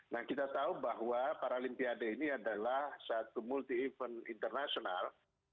nah kita tahu bahwa paralimpiade ini adalah satu multi event internasional